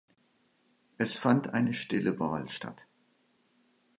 Es fand eine stille Wahl statt.